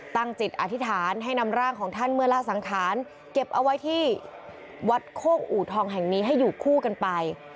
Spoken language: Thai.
ตั้งจิตอธิษฐานให้นำร่างของท่านเมื่อละสังขารเก็บเอาไว้ที่วัดโคกอูทองแห่งนี้ให้อยู่คู่กันไป